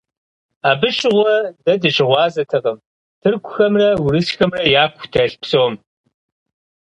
Абы щыгъуэ дэ дыщыгъуазэтэкъым тыркухэмрэ урысхэмрэ яку дэлъ псом.